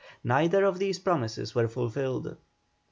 Neither of these promises were fulfilled.